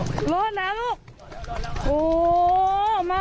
โอ้โหมาลูกมา